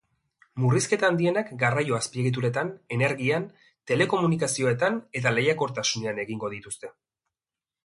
Murrizketa handienak garraio-azpiegituretan, energian, telekomunikazioetan eta lehiakortasunean egingo dituzte.